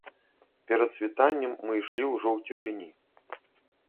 Перад світаннем мы ішлі ўжо ў цішыні.